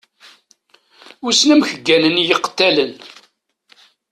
Wissen amek gganen yiqettalen?